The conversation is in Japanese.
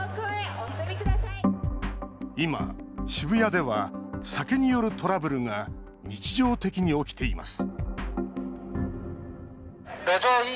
今、渋谷では酒によるトラブルが日常的に起きています